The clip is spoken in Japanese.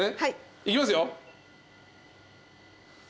いきますよ。